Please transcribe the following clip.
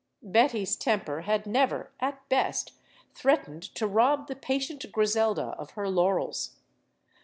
Betty's temper had never, at best, threatened to rob the patient Griselda of her laurels.